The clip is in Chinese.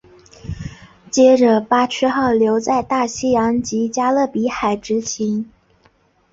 接着巴区号留在大西洋及加勒比海执勤。